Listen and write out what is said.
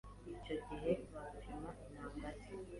Icyo gihe bapima intanga ze